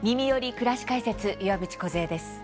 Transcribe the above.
くらし解説」岩渕梢です。